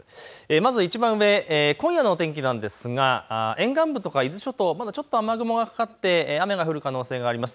いちばん上、今夜の天気なんですが沿岸部、伊豆諸島ちょっと雨雲がかかっていて雨が降る可能性があります。